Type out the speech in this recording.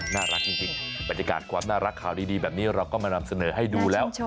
น่ารักจริงบรรยากาศความน่ารักข่าวดีแบบนี้เราก็มานำเสนอให้ดูแล้ว